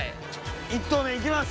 一投目行きます！